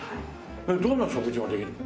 どんな食事ができるの？